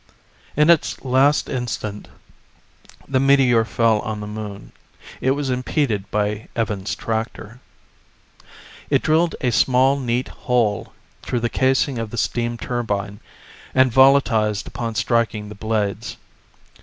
In its last instant, the meteor fell on the Moon. It was impeded by Evans' tractor. It drilled a small, neat hole through the casing of the steam turbine, and volitized upon striking the blades.